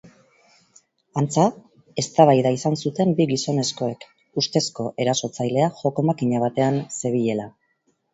Antza, eztabaida izan zuten bi gizonezkoek, ustezko erasotzailea joko-makina batean zebilela.